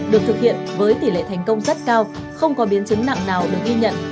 được thực hiện với tỷ lệ thành công rất cao không có biến chứng nặng nào được ghi nhận